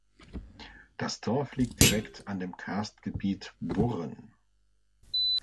Das Dorf liegt direkt an dem Karstgebiet Burren.